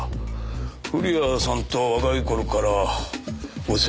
古谷さんとは若い頃からお世話になってましてね。